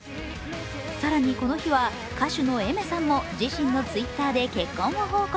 更にこの日は歌手のＡｉｍｅｒさんも自身のＴｗｉｔｔｅｒで結婚を報告。